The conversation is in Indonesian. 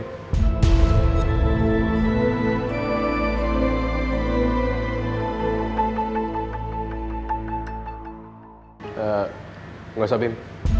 enggak usah bim